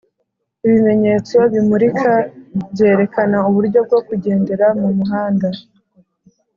Ibimenyetso bimulika byerekana uburyo bwo kugendera mu muhanda